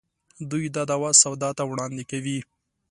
دوی دا دعوه سودا ته وړاندې کوي.